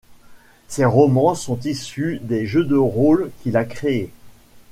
Ses romans sont issus des jeux de rôles qu’il a créés.